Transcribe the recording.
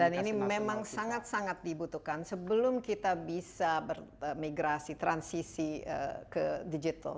dan ini memang sangat sangat dibutuhkan sebelum kita bisa ber migrasi transisi ke digital